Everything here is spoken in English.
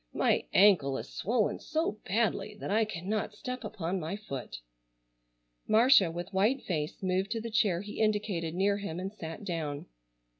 My ankle is swollen so badly that I cannot step upon my foot." Marcia, with white face, moved to the chair he indicated near him, and sat down.